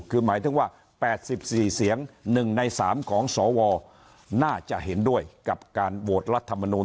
คือหมายถึงว่า๘๔เสียง๑ใน๓ของสวน่าจะเห็นด้วยกับการโหวตรัฐมนูล